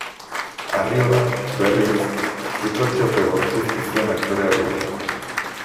Arriola, berriz, Supertxope gorpuztu zuen aktorea dugu.